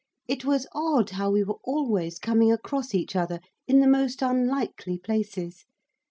It was odd how we were always coming across each other in the most unlikely places.